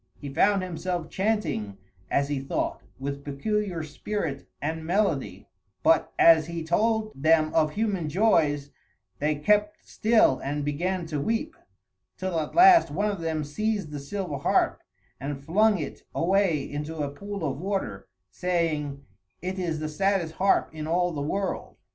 He found himself chanting, as he thought, with peculiar spirit and melody, but as he told them of human joys they kept still and began to weep, till at last one of them seized the silver harp and flung it away into a pool of water, saying, "It is the saddest harp in all the world."